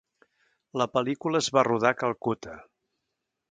La pel·lícula es va rodar a Calcutta.